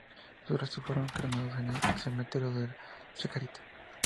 Sus restos fueron cremados en el Cementerio de la Chacarita.